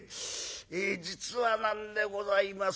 え実はなんでございます。